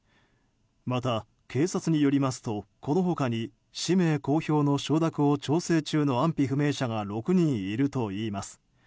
また、警察によりますとこの他に氏名公表の承諾を調整中の安否不明者が６人いるといいます。